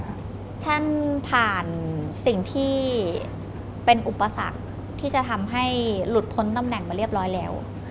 ท่านผ่านสิ่งที่เป็นอุปสรรคที่จะทำให้หลุดพ้นตำแหน่งมาเรียบร้อยแล้ว